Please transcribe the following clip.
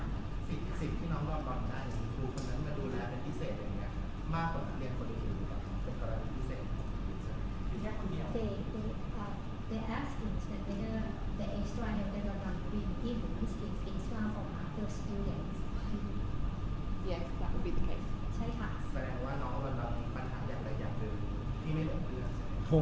เผลอพี่เรื่องกับเสียง